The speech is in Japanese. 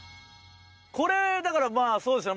これだからまあそうですよね。